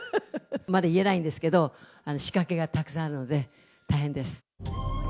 まだ言えないんですけど、仕掛けがたくさんあるので、大変です。